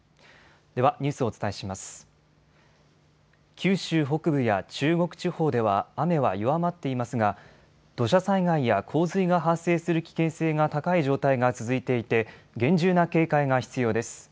九州北部や中国地方では雨は弱まっていますが土砂災害や洪水が発生する危険性が高い状態が続いていて厳重な警戒が必要です。